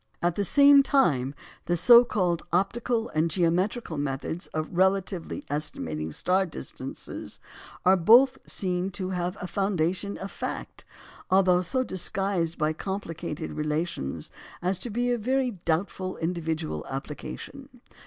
At the same time, the so called "optical" and "geometrical" methods of relatively estimating star distances are both seen to have a foundation of fact, although so disguised by complicated relations as to be of very doubtful individual application.